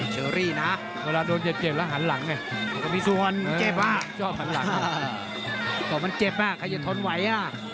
ชอบหันหลังเพราะมันเจ็บมากใครจะทนไหว